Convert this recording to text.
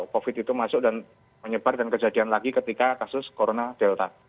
covid itu masuk dan menyebar dan kejadian lagi ketika kasus corona delta